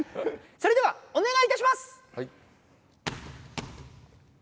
それではおねがいいたします！